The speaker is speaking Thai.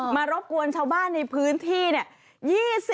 รบกวนชาวบ้านในพื้นที่เนี่ย